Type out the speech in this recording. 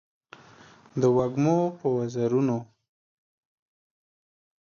د وږمو په وزرونو